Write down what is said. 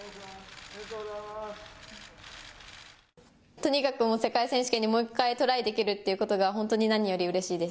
とにかく世界選手権にもう１回トライできるということが本当に何よりうれしいです。